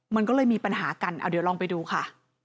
มันก็เลยมีปัญหากันเอาเดี๋ยวลองไปดูค่ะ